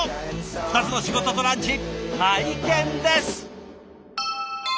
２つの仕事とランチ拝見です！